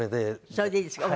それでいいですか？